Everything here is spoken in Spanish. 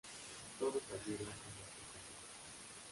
Todos ayudan en estas tareas.